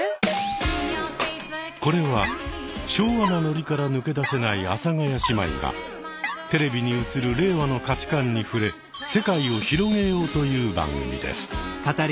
これは昭和なノリから抜け出せない阿佐ヶ谷姉妹がテレビに映る令和の価値観に触れ世界を広げようという番組です。